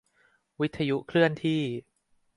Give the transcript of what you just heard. วิทยุเคลื่อนที่